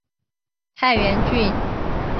大原郡是过去隶属岛根县的一郡。